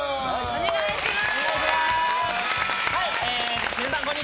お願いします！